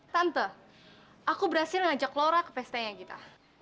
tante aku berhasil ngajak laura ke pestenya kita